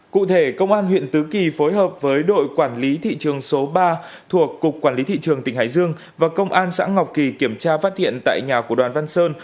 cụ thể công an huyện tứ kỳ phối hợp với đội quản lý thị trường số ba thuộc cục quản lý thị trường tỉnh hải dương và công an xã ngọc kỳ kiểm tra phát hiện tại nhà của đoàn văn sơn